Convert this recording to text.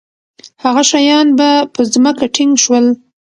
هغه شیان به په ځمکه ټینګ شول.